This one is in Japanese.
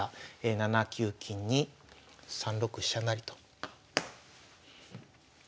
７九金に３六飛車成と。